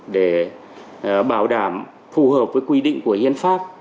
để bảo đảm phù hợp với quy định của hiến pháp